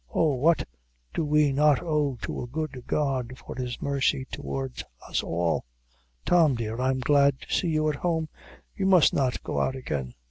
Oh! what do we not owe to a good God for His mercy towards us all? Tom, dear, I am glad to see you at home; you must not go out again."